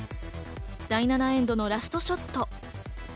第７エンドのラストショット。